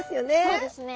そうですね。